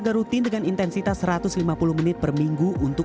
berikut beberapa tips mencegah pikun dari dokter sylvia lomempo